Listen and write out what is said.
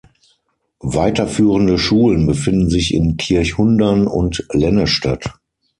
Weiterführende Schulen befinden sich in Kirchhundem und Lennestadt.